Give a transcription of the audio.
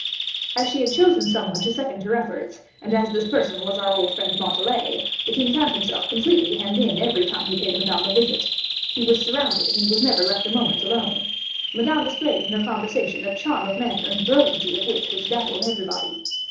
As she had chosen some one to second her efforts, and as this person was our old friend Montalais, the king found himself completely hemmed in every time he paid Madame a visit; he was surrounded, and was never left a moment alone. Madame displayed in her conversation a charm of manner and brilliancy of wit which dazzled everybody.